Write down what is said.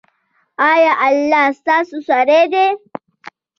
ایا الله ستاسو سره دی؟